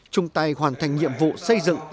chung tay hoàn thành nhiệm vụ xây dựng